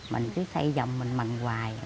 mình cứ xây dòng mình mặn hoài